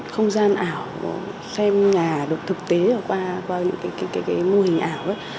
không gian ảo xem nhà thực tế qua những mô hình ảo